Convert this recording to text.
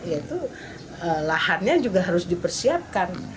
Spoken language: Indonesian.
yaitu lahannya juga harus dipersiapkan